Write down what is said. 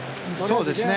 そうですね。